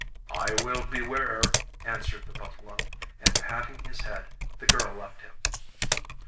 'I will beware,' answered the buffalo; and, patting his head, the girl left him.